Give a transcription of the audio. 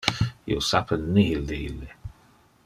Io sape nihil de ille.